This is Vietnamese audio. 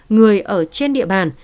người ở trên địa bàn